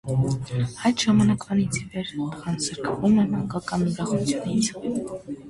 Այդ ժամանակվանից ի վեր տղան զրկվում է մանկական ուրախությունից։